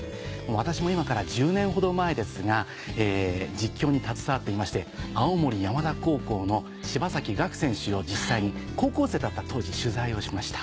私も今から１０年ほど前ですが実況に携わっていまして青森山田高校の柴崎岳選手を実際に高校生だった当時取材をしました。